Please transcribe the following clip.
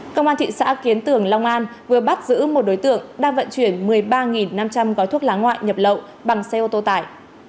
công an thị xã kiến tường long an vừa bắt giữ một đối tượng đang vận chuyển một mươi ba năm trăm linh gói thuốc lá ngoại nhập lậu bằng xe ô tô tải